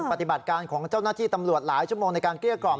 ปฏิบัติการของเจ้าหน้าที่ตำรวจหลายชั่วโมงในการเกลี้ยกล่อม